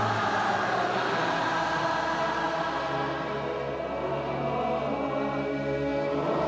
พระนึงจะให้เสียงทุกคนดังไปถึงภาพประวัติศาสตร์แทนความจงรักพักดีอีกครั้ง